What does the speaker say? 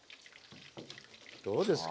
どうですか？